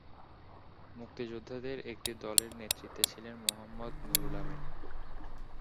মুক্তিযোদ্ধাদের একটি দলের নেতৃত্বে ছিলেন মোহাম্মদ নুরুল আমিন।